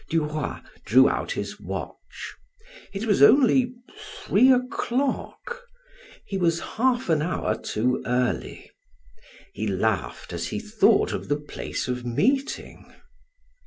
Du Roy drew out his watch. It was only three o'clock: he was half an hour too early. He laughed as he thought of the place of meeting.